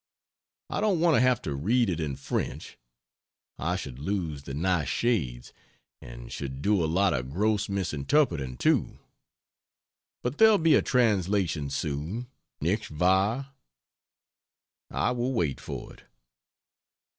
I don't want to have to read it in French I should lose the nice shades, and should do a lot of gross misinterpreting, too. But there'll be a translation soon, nicht wahr? I will wait for it.